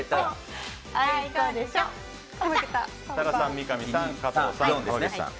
設楽さん、三上さん加藤さん、濱口さん。